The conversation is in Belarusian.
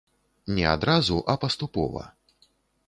Не адразу, а паступова.